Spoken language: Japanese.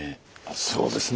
そうですね。